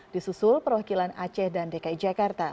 disusul perwakilan aceh dan dki jakarta